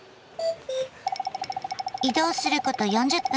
移動すること４０分。